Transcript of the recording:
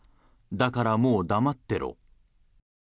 だからもう黙ってろ。